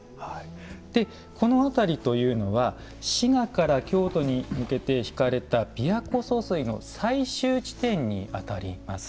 この辺りというのは滋賀から京都に向けて引かれた琵琶湖疏水の最終地点に当たります。